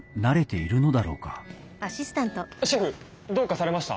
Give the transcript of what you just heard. シェフどうかされました？